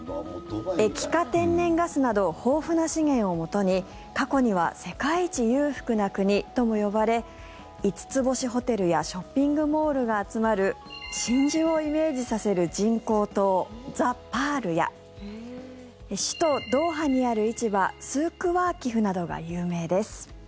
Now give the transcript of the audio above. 液化天然ガスなど豊富な資源をもとに過去には世界一裕福な国とも呼ばれ５つ星ホテルやショッピングモールが集まる真珠をイメージさせる人工島ザ・パールや首都ドーハにある市場スーク・ワーキフなどが有名です。